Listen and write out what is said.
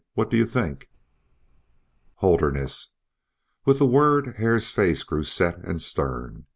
"What do you think?" "Holderness!" With the word Hare's face grew set and stern.